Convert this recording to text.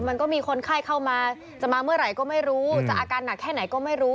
มันก็มีคนไข้เข้ามาจะมาเมื่อไหร่ก็ไม่รู้จะอาการหนักแค่ไหนก็ไม่รู้